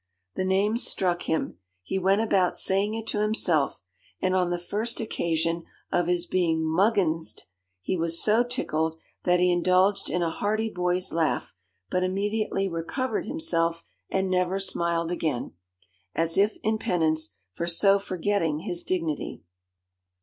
The name struck him; he went about saying it to himself, and on the first occasion of his being 'mugginsed,' he was so tickled that he indulged in a hearty boy's laugh; but immediately recovered himself, and never smiled again, as if in penance for so forgetting his dignity.